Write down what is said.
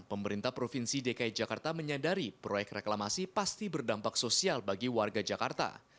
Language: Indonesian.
pemerintah provinsi dki jakarta menyadari proyek reklamasi pasti berdampak sosial bagi warga jakarta